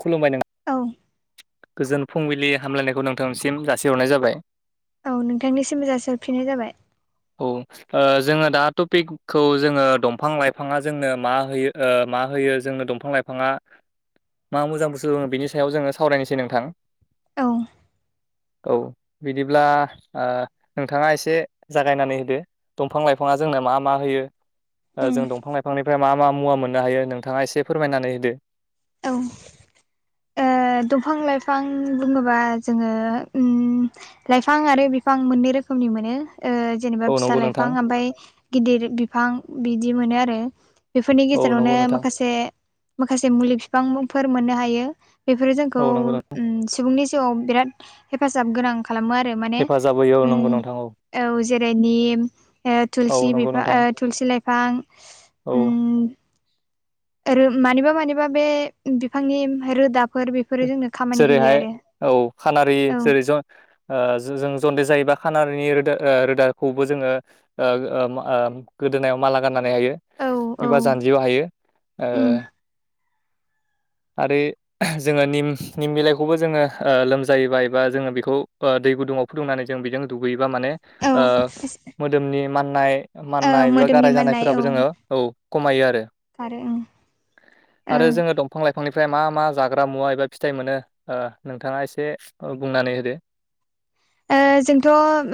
खुलुमबाय नों औ गोजोन फुंबिलि हामलायनायखौ नोंथांसिम जासिहरनाय जाबाय औ नोंथांनिसिमबो जासिहरफिननाय जाबाय औ जोङो दा टपिकखौ जोङो दंफां लाइफाङा जोंनो मा होयो मा होयो जोंनो दंफां लाइफां बिफाङा मा मोजां बुस्थु लोङो बिनि सायाव जोङो सावरायनोसै नोंथां औ औ बिदिब्ला नोंथाङा एसे जागायनानै होदो दंफां लाइफाङा जोंनो मा मा होयो उम जों दंफां लाइफांनि ओमफ्राय मा मा मुवा मोननो हायो नोंथाङा एसे फोरमायनानै होदो औ दंफां लाइफां बुङोबा जोङो लाइफां आरो बिफां मोननै रोखोमनि मोनो जेनेबा औ फिसा नंगौ लाइफां नोंथां ओमफ्राय गिदिर बिफां बिदि मोनो आरो बेफोरनि औ गेजेरावनो नंगौ नोंथां माखासे माखासे मुलि बिफांफोर मोननो हायो बेफोरो जोंखौ औ नंगौ नोंथां सुबुंनि जिउआव बिराद हेफाजाब गोनां खालामो आरो माने हेफाजाब होयो औ उ नंगौ नोंथां औ जेरैनि औ थुलसि नंगौ बिफां नोंथां थुलसि लाइफां औ उम मानिबा मानिबा बे बिफांनि रोदाफोर बेफोरो जोंनो खामानि होयो जेरैहाय आरो औ खानारि औ जेरै ज जों जन्दिस जायोबा खानारिनि रोदा रोदाखौबो जोङो गोदोनायाव माला गाननानै हायो औ औ एबा जानजियाव हायो उम आरो जोङो निम निम बिलाइखौबो जोङो लोमजायोबा एबा जोङो बेखौ दै गुदुङाव फुदुंनानै जों बेजों दुगैयोबा माने औ ओ मोदोमनि माननाय माननाय एबा मोदोमनि गाराय जानायफोराबो जोङो औ खमायो आरो आरो आं आरो जोङो दं बिफां लाइफांनिफ्राय मा मा जाग्रा मुवा एबा फिथाइ मोनो नोंथाङा एसे बुंनानै होदो जोंथ'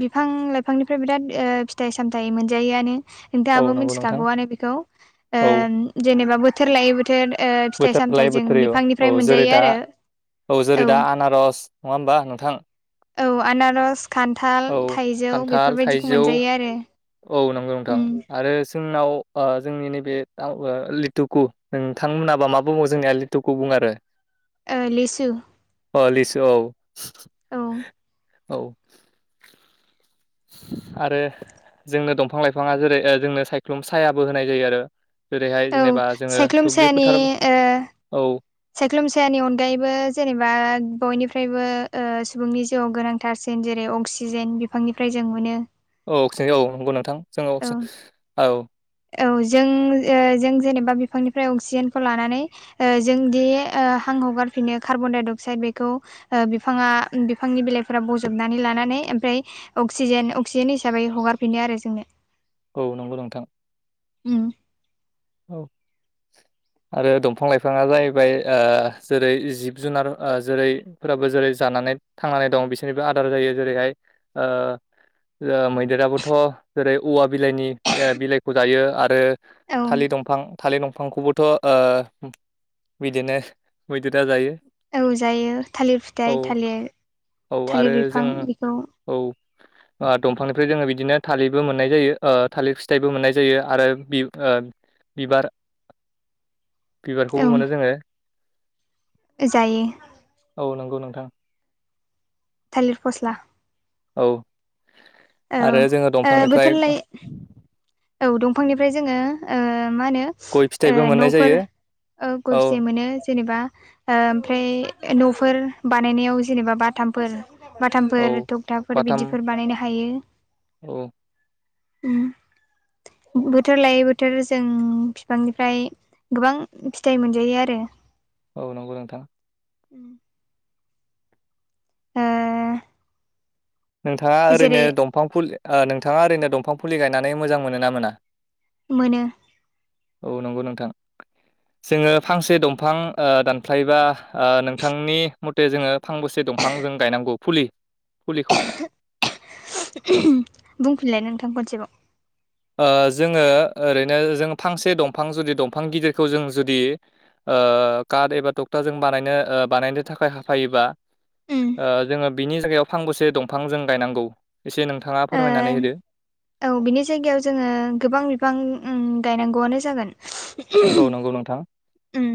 बिफां लाइफांनिफ्राय बिराद फिथाइ सामथाय मोनजायोआनो औ नोंथाङाबो नंगौ नोंथां मिथिखागौआनो बेखौ औ जेनेबा बोथोर लायै बोथोर ओ फिथाइ बोथोर सामथाइ लायै जों बोथोरै बिफांनिफ्राय औ जेरै मोनजायो दा आरो औ जेरै दा आनारस नङा होनबा बा नोंथां औ आनारस खान्थाल औ थाइजौ खान्थाल बेफोरबायदिखौ थाइजौ मोनजायो आरो औ नंगौ नोंथां आरो जोंनाव जोंनि नैबे लिटुखौ नोंथांमोनाबा मा बुङो जोंनिया लिटुखौ बुंड़ो आरो आ लिसु लिसु औ औ औ आरो जोंनो दंफां लाइफाङा जेरै जोंनो सायख्लुम सायाबो होनाय जायो आरो जेरैहाय औ जेनेबा जोङो सायख्लुम दुब्लि सायानि फोथार ओ औ सायख्लुम सायानि अनगायैबो जेनेबा बयनिफ्रायबो सुबुंनि जिउआव गोनां टारसिन जेरै अक्सिजेन बिफांनिफ्राय जों मोनो औ अक्साइड औ नंगौ नोंथां जोङो औ औ औ जों जों जेनेबा बिफांनिफ्राय अक्सिजेनखौ लानानै जोंदि हां हगारफिनो कार्बन डाइ अक्साइद बेखौ बिफाङा बिफांनि बिलाइफोरा बजबनानै लानानै ओमफ्राय अक्सिजेन अक्सिजेन हिसाबै हगारफिनो आरो जोंनो औ नंगौ नोंथां उ औ [inaudible] आरो दंफां लाइफाङा जाहैबाय जेरै जिब जुनार जेरैफोराबो जेरै जानानै थांनानै दं बिसोरनिबो आदार जायो जेरैहाय मैदेराबोथ' जेरै औवा बिलाइनि बिलाइखौ जायो आरो औ थालिर दंफां थालिर दंफांखौबोथ' ओ बिदिनो मैदेरा जायो। औ जायो थालिर फिथाइ औ थालिर औ आरो थालिर बिफां जों बेखौ औ दंफांनिफ्राय जोङो बिदिनो थालिरबो मोननाय जायो ओ थालिर फिथाइबो मोननाय जायो आरो बि बिबार औ बिबारखौबो मोनो जोङो‌। जायो। औ नंगौ नोंथां। थालिर फस्ला औ औ आरो जोङो ओ बोथोर दंफांनिफ्राय लायै औ दंफांनिफ्राय जोङो ओ मा होनो गय ओ फिथाइबो मोननाय न'फोर जायो ओ औ गरसे मोनो जेनेबा ओमफ्राय न'फोर बानायनायाव जेनेबा बाथामफोर औ बाथामफोर थखथाफोर बाथाम बिदिफोर बानायनो हायो। औ उम बोथोर लायै बोथोर जों बिफांनिफ्राय गोबां फिथाइ मोनजायो आरो। औ नंगौ नोंथां। ओ नोंथाङा ओरैनो जेरै दंफां फुलि ओ नोंथाङा ओरैनो दंफां फुलि गायनानै मोजां मोनो ना मोना? मोनो। औ नंगौ नोंथां। [inaudible] जोङो फांसे दंफां ओ दानफ्लायबा ओ नोंथांनि मथे जोङो फांबोसे दंफांजों गायनांगौ फुलि फुलिखौ बुंफिनलाय नोंथां खनसेबाव ओ जोङो ओरैनो जों फांसे दंफां जुदि दंफां गिदिरखौ जों जुदि ओ काद एबा टक्टाजों बानायनो ओ बानायनो थाखाय हाफायोबा उम ओ जोङो बिनि जायगायाव फांबेसे दंफां जों गायनांगौ एसे नोंथाङा फोरमायनानै ओ होदो। औ बिनि जायगायाव जोङो गोबां बिफां उम गायनांगौआनो जागोन। औ नंगौ नोंथां। उम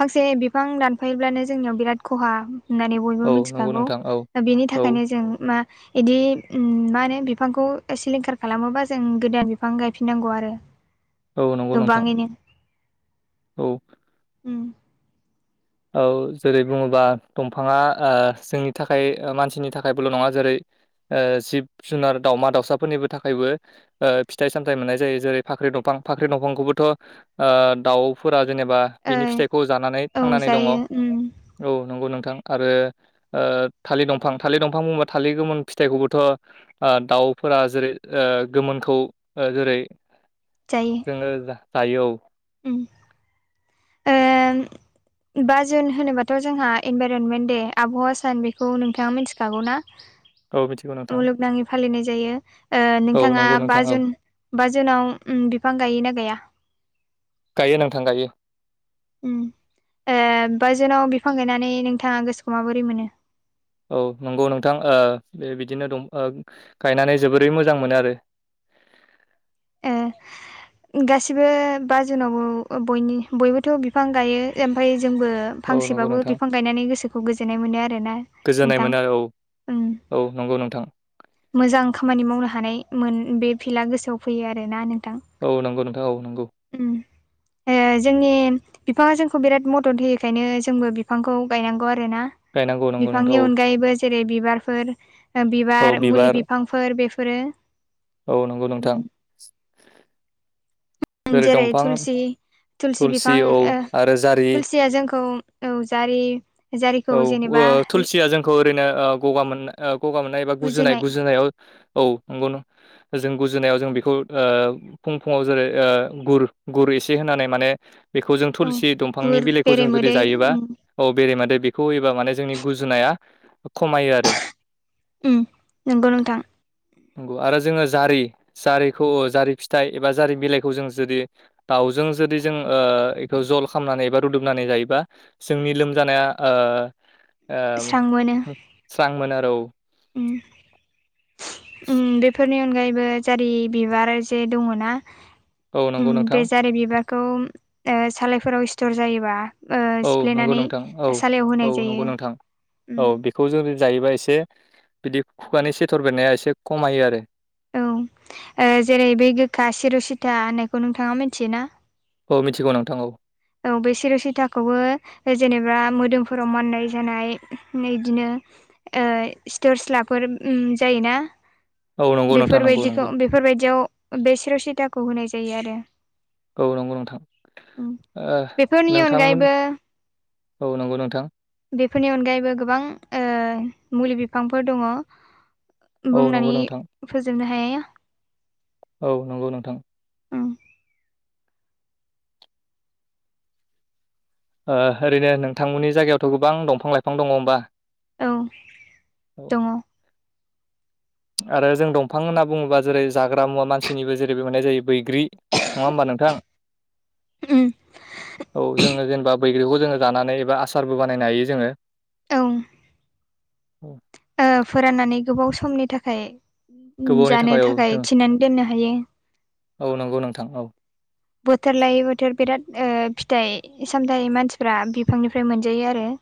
फांसे बिफां दानफायोब्लानो जोंनियाव बिराद खहा होननानै बयबो औ नंगौ मिथिखागौ नोंथां औ बिनि औ थाखायनो जों मा इदि मा होनो बिफांखौ सिलिंखार खालामोबा जों गोदान बिफां गायफिननांगौ आरो। औ नंगौ नोंथां। गोबाङैनो औ उम औ जेरै बुङोबा दंफाङा ओ जोंनि थाखाय मानसिनि थाखायबोल' नङा जेरै ओ जिब जुनार दाउमा दाउसाफोरनिबो थाखायबो‌। ओ फिथाइ सामथाइ मोननाय जायो जेरै फाख्रि दंफां फाख्रि दंफांखौबोथ' ओ दाउफोरा जेनेबा ओ बिनि फिथाइखौ जानानै औ थांनानै दङ जायो उम औ नंगौ नोंथां आरो ओ थालिर दंफां थालिर दंफां बुङोबा थालिर गोमोन फिथाइखौबोथ' ओ दाउफोरा जेरै ओ गोमोनखौ ओ जेरै जायो जोङो जायो औ। उम आं बा जुन होनोबाथ' जोंहा इनभाइरनमेन्ट दे आबहावा सान बेखौ नोंथाङा मिथिखागौ ना? औ मिथिगौ नोंथां मुलुगनाङै फालिनाय जायो। ओ औ नोंथाङा नंगौ बा नोंथां औ जुन बा जुनाव बिफां गायो ना गाया गायो नोंथां गायो उम ओ बा जुनाव बिफां गायनानै नोंथाङा गोसोखौ माबोरै मोनो औ नंगौ नोंथां बे बिदिनो दं गायनानै जोबोरै मोजां मोनो आरो ओ गासिबो बा जुनावबो बयनिबो बयबोथ' बिफां गायो ओमफ्राय जोंबो औ नंगौ फांसेबाबो नोंथां बिफां गायनानै गोसोखौ गोजोननाय मोनो आरो ना गोजोननाय नोंथां मोनो आरो औ औ नंगौ नोंथां मोजां खामानि मावनो हानाय मोन बे फिल्डआ गोसोआव फैयो आरोना नोंथां औ नंगौ नोंथां औ नंगौ उम ओ जोंनि बिफाङा जोंखौ बिराद मदद होयखायनो जोंबो बिफांखौ गायनांगौ आरो ना गायनांगौ नंगौ नोंथां बिफांनि औ अनगायैबो जेरै बिबारफोर बिबार मुलि बिफांफोर बेफोरो औ नंगौ नोंथां उम जेरै थुलसि थुलसि बिफां औ आरो जारि थुलसिया जोंखौ औ जारि औ जारिखौ ओ जेनेबा थुलसिया जोंखौ ओरैनो गगा मोननाय गगा मोननाय एबा गुजुनाय गुजुनायाव औ नंगौ नों जों गुजुनायाव जों बेखौ ओ फुं फुङाव जेरै ओ गुर गुर एसे होनानै माने बेखौ जों औ थुलसि दंफांनि गुर बिलाइखौ जों जुदि बेरेमोदै जायोबा उम औ बेरे मादे बेखौ एबा माने जोंनि गुजुनाया खमायो आरो उम नंगौ नोंथां नंगौ आरो जोङो जारि जारिखौ जारि फिथाइ एबा जारि बिलाइखौ जों जुदि दाउजों जुदि जों ओ बेखौ जल खालामनानै एबा रुदुमनानै जायोबा जोंनि लोमजानाया ओ ओ स्रां मोनो स्रां मोनो आरो औ उम उम बेफोरनि अनगायैबो जारि बिबार जे दङ ना औ उम नंगौ बे नोंथां जारि बिबारखौ ओ सालायफोराव स्थर जायोबा ओ औ नंगौ सिफ्लेनानै नोंथां औ सालायाव होनाय जायो खौ जों जायोबा एसे बिदि खुगानि सेथर बेनाया एसे खमायो आरो औ जेरै बे गोखा सिर'सिथा होननायखौ नोंथाङा मिथियोना औ मिथिगौ नोंथां औ औ बे सिर'सिथाखौबो जेनेबा मोदोमफोराव माननाय जानाय इदिनो स्टर्स लाफोर जायोना औ नंगौ नोंथां नंगौ बेफोरबायदिखौ नंगौ बेफोरबायदियाव बे सिर' सिथाखौ होनाय जायो आरो औ नंगौ नोंथां उम ओ बेफोरनि नोंथांमोन अनगायैबो औ नंगौ नोंथां बेफोरनि अनगायैबो गोबां ओ मुलि बिफांफोर दङ औ नंगौ बुंनानै नोंथां फोजोबनो हाया औ नंगौ नोंथां उम ओ ओरैनो नोंथांमोननि जायगायावथ' गोबां दंफां लाइफां दङ होमबा औ औ दङ आरो जों दंफां होनना बुङोबा जेरै जाग्रा मुवा मानसिनिबो जेरैबो मोननाय जायो बैग्रि नङा होमबा नोंथां औ औ जोङो जेनेबा बैग्रिखौ जोङो जानानै एबा आसारबो बानायनो हायो जोङो औ ओ फोराननानै गोबाव समनि थाखाय गोबावनि जानो औ थाखाय जों थिनानै दोननो हायो औ नंगौ नोंथां औ बोथोर लायै बोथोर बिराद फिथाइ सामथाइ मानसिफ्रा बिफांनिफ्राय मोनजायो आरो [inaudible]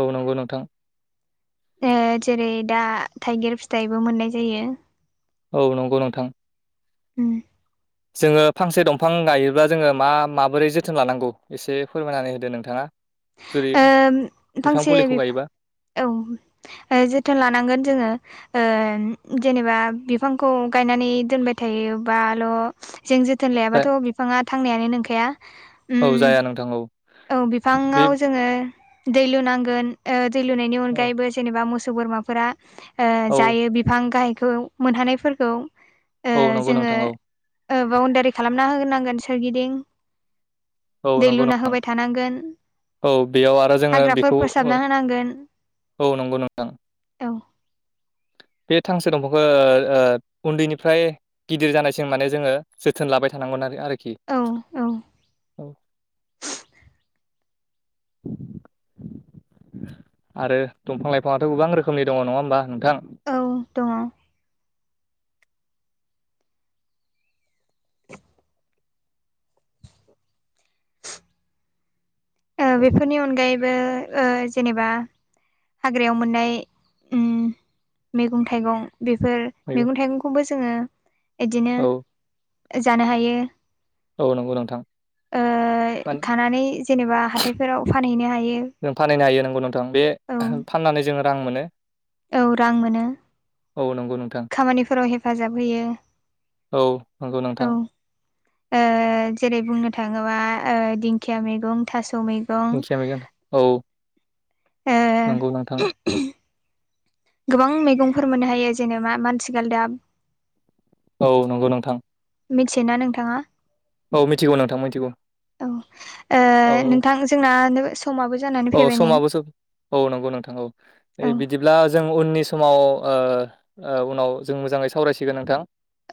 औ नंगौ नोंथां जेरै दा थाइगिर फिथाइबो मोननाय जायो औ नंगौ नोंथां उम जोङो फांसे दंफां गायोब्ला जोङो मा माबोरै जोथोन लानांगौ एसे फोरमायनानै होदो नोंथाङा जेरै ओ बिफां फुलिखौ गायोबा औ जोथोन लानांगोन जोङो जेनेबा बिफांखौ गायनानै दोनबाय थायोबाल' जों जोथोन लायाबाथ' बिफाङा थांनायानो नंखाया औ जाया नोंथां औ औ बि बे बिफाङाव जोङो दै लुनांगोन दै लुनायनि औ अनगायैबो ज जेनेबा मोसौ बोरमाफोरा औ जायो बिफां गाहायखौ मोनहानायफोरखौ औ नंगौ जोङो नोंथां औ बाउणडारि खालामना होनोनांगोन सोरगिदिं औ दै नंगौ नों लुना होबाय थानांगोन औ बेयाव आरो जोङो हाग्राफोर बेखौ फोसाबना होनांगोन औ नंगौ नोंथां औ बे फांसे दंफांखौ उन्दैनिफ्राय गिदिर जानायसिम माने जोङो जोथोन लाबाय थानांगोन आरो आरोखि औ औ औ आरो दंफां लाइफाङाथ' गोबां रोखोमनि दङ नङा होमबा नोंथां औ दङ बेफोरनि अनगायैबो जेनेबा हाग्रायाव मोननाय मैगं थाइगं बेफोर मैगं थाइगंखौबो जोङो बिदिनो औ जानो हायो औ नंगौ नोंथां ओ मानो खानानै जेनेबा हाथायफोराव फानहैनो हायो जों फानहैनो हायो नंगौ नोंथां बे औ फाननानै जोङो रां मोनो औ रां मोनो औ नंगौ नोंथां खामानिफोराव हेफाजाब होयो औ नंगौ नोंथां औ जेरै बुंनो थाङोबा दिंखिया मैगं थास' मैं दिंखिया मैगं औ नंगौ नोंथां ओ गोबां मैगंफोर मोननो हायो जेनेबा माथि गालदाब औ नंगौ नोंथां मिथियोना नोंथाङा औ मिथिगौ नोंथां मिथिगौ औ औ नोंथां जोंना समाबो जानानै औ फैबाय नै समाबोसो औ नंगौ नोंथां औ ओ औ बिदि ब्ला जों उननि समाव उनाव जों मोजाङै सावरायसिगोन नोंथां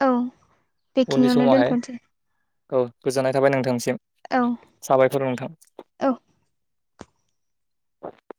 औ उननि बेखिनियावनो समावहाय दोनथ'नोसै औ गोजोननाय थाबाय नोंथांसिम औ साबायफोर नोंथां औ